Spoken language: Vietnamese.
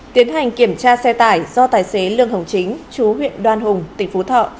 tiến hành kiểm tra xe tải do tài xế lương hồng chính chú huyện đoan hùng tỉnh phú thọ